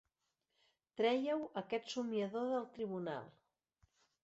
Trèieu aquest somniador del tribunal!